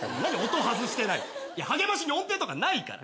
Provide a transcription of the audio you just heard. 音外してないって励ましに音程とかないから。